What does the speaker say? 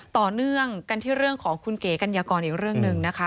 ต่อเนื่องกันที่เรื่องของคุณเก๋กัญญากรอีกเรื่องหนึ่งนะคะ